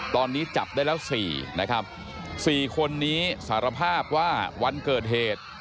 ตอนนี้จับได้แล้ว๔นะครับ๔คนนี้สารภาพว่าวันเกิดเหตุ